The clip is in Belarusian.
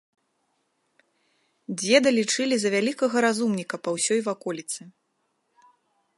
Дзеда лічылі за вялікага разумніка па ўсёй ваколіцы.